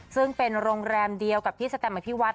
ซึ่งเป็นโรงแรมเดียวกับพี่สแตมอภิวัฒ